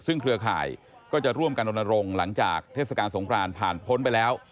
ซึ่งเครือข่ายก็จะร่วมกันลงหลังจากเทศกาลสงครานผ่านพ้นไปแล้ว